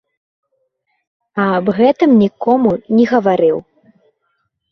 Аб гэтым нікому не гаварыў.